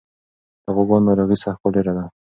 د غواګانو ناروغي سږکال ډېره وه.